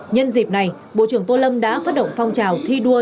nhân dịp này bộ trưởng tô lâm đã phát động phong trào thi đua